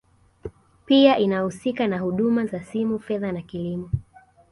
Pia inahusika na huduma za simu fedha na kilimo